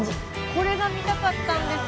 これが見たかったんです。